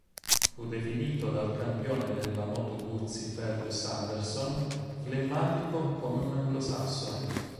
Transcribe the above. Fu definito dal campione della Moto Guzzi Fergus Anderson "flemmatico come un anglosassone".